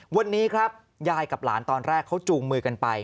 วันนี้ครับยายกับหลานตอนแรกเขาจูงมือกันไป